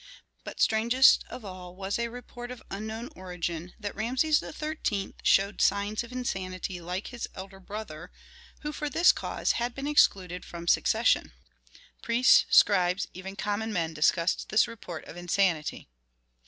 But strangest of all was a report of unknown origin that Rameses XIII. showed signs of insanity, like his elder brother, who for this cause had been excluded from succession. Priests, scribes, even common men discussed this report of insanity.